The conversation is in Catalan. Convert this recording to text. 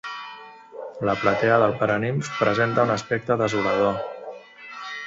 La platea del paranimf presenta un aspecte desolador.